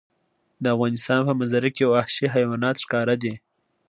د افغانستان په منظره کې وحشي حیوانات ښکاره ده.